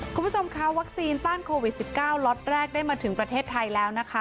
คุณผู้ชมคะวัคซีนต้านโควิด๑๙ล็อตแรกได้มาถึงประเทศไทยแล้วนะคะ